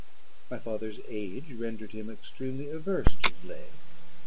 My father's age rendered him extremely averse to delay.